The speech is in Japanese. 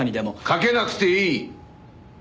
かけなくていい！